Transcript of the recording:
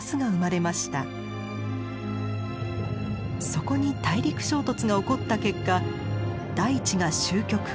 そこに大陸衝突が起こった結果大地が褶曲。